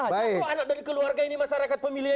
kok anak dan keluarga ini masyarakat pemilih